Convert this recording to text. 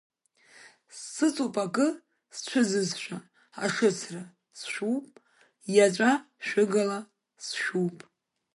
Сыҵоуп акы сцәыӡызшәа ашыцра, сшәуп, иаҵәа шәыгала сшәуп.